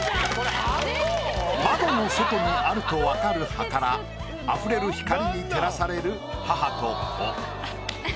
窓の外にあると分かる葉からあふれる光に照らされる母と子。